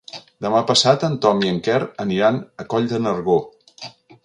Demà passat en Tom i en Quer aniran a Coll de Nargó.